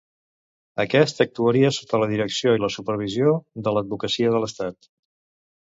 Aquest actuaria sota la direcció i la supervisió de l'Advocacia de l'Estat.